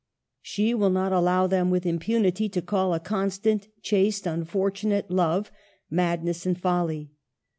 She will not allow them with impunity to call a constant, chaste, unfortunate love, madness and folly.